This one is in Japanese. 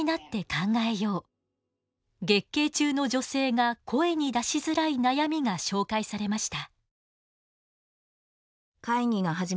月経中の女性が声に出しづらい悩みが紹介されました。